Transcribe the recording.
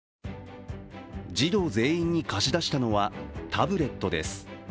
児童全員に貸し出したのはタブレットです。